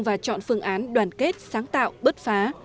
và chọn phương án đoàn kết sáng tạo bớt phá